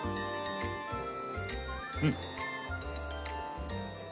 うん。